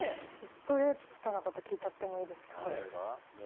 ちょっとストレートなこと聞いちゃってもいいですか？